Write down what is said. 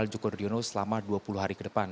joko driono selama dua puluh hari ke depan